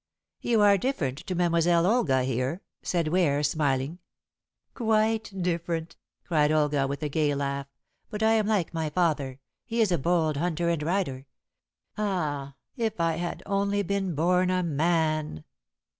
"You are different to Mademoiselle Olga here," said Ware, smiling. "Quite different," cried Olga, with a gay laugh. "But I am like my father. He is a bold hunter and rider. Ah, if I had only been born a man!